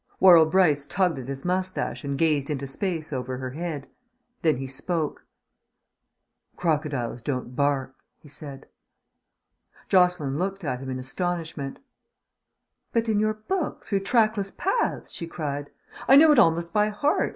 Worrall Brice tugged at his moustache and gazed into space over her head. Then he spoke. "Crocodiles don't bark," he said. Jocelyn looked at him in astonishment. "But in your book, Through Trackless Paths!" she cried. "I know it almost by heart.